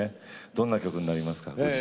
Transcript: どんな曲になりますか？